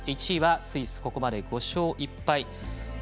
１位はスイス、ここまで５勝１敗。